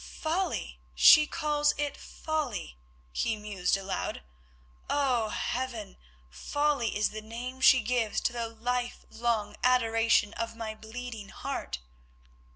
"Folly! She calls it folly!" he mused aloud. "Oh, Heaven, folly is the name she gives to the life long adoration of my bleeding heart!"